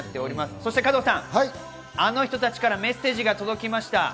そして加藤さん、あの人たちからメッセージが届きました！